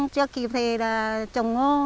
chưa kịp thì là trồng ngô